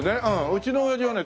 うちの親父はね